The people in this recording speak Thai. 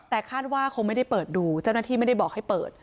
แต่คาดว่าคงไม่ได้เปิดดูเจ้าหน้าที่ไม่ได้บอกให้เปิด